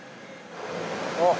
あっ。